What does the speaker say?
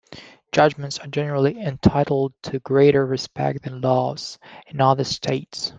Judgments are generally entitled to greater respect than laws, in other states.